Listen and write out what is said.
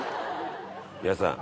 皆さん。